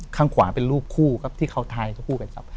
ข้างขวาเป็นรูปคู่ครับที่เขาถ่ายคู่กันครับ